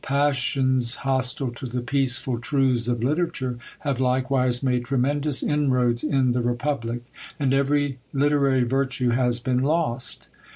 Passions hostile to the peaceful truths of literature have likewise made tremendous inroads in the republic, and every literary virtue has been lost!